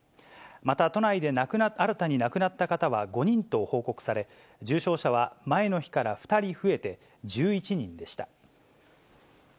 また、都内で新たに亡くなった方は５人と報告され、重症者は前の日から２人増えて１１人でした。